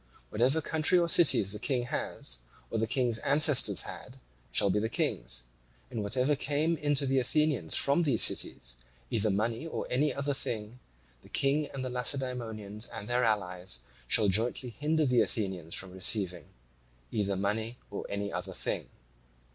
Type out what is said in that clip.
Whatever country or cities the King has, or the King's ancestors had, shall be the king's: and whatever came in to the Athenians from these cities, either money or any other thing, the King and the Lacedaemonians and their allies shall jointly hinder the Athenians from receiving either money or any other thing.